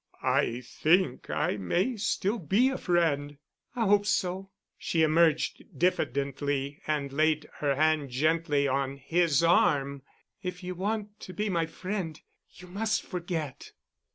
"I think I may still be a friend." "I hope so——" She emerged diffidently and laid her hand gently on his arm. "If you want to be my friend you must forget."